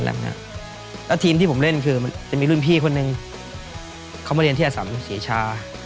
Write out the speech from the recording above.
แล้วทีมที่ผมเล่นคือมันจะมีรุ่นพี่คนนึงเขามาเรียนที่อสัมศรีชา